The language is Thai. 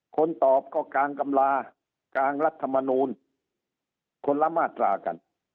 คนตอบก็กลางกำลากลางรัฐมนูลคนละมาตรากัน